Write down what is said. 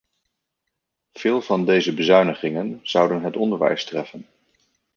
Veel van deze bezuinigingen zouden het onderwijs treffen.